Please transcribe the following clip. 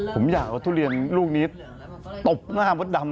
ผมอยากเอาทุเรียนลูกนี้ตบหน้ามดดำ